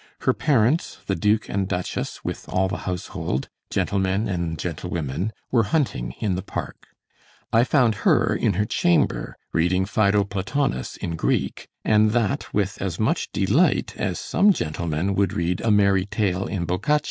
Her parents, the duke and duchess, with all the household, gentlemen and gentlewomen, were hunting in the park. I found her in her chamber, reading Phædo Platonis in Greek, and that with as much delight as some gentlemen would read a merry tale in Boccace.